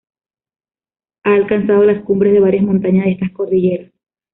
Ha alcanzado las cumbres de varias montañas de estas cordilleras.